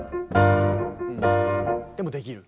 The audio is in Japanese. でもできる。